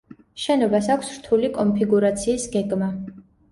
შენობას აქვს რთული კონფიგურაციის გეგმა.